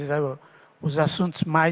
yang saya menunjukkan